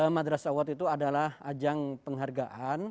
madrasa award itu adalah ajang penghargaan